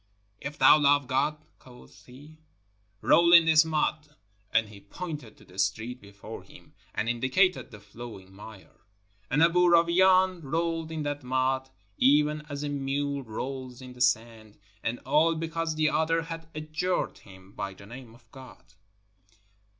"If thou love God," quoth he, "roll in this mud," and he pointed to the street before him, and indicated the flowing mire. And Aboo Rawain rolled in that mud, even as a mule rolls in the sand, and all because the other had adjured him by the name of God.